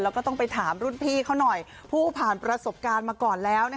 แล้วก็ต้องไปถามรุ่นพี่เขาหน่อยผู้ผ่านประสบการณ์มาก่อนแล้ว